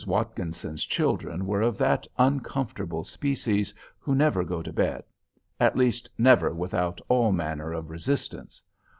Watkinson's children were of that uncomfortable species who never go to bed; at least never without all manner of resistance.